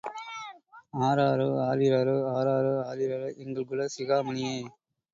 ஆராரோ ஆரிராரோ! ஆராரோ ஆரிராரோ! எங்கள் குலச் சிகாமணியே.